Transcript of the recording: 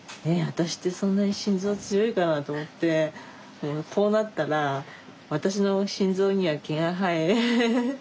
私ってそんなに心臓強いかなと思ってこうなったら私の心臓には毛が生え。